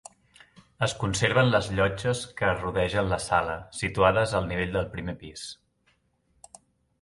Es conserven les llotges que rodegen la sala, situades al nivell del primer pis.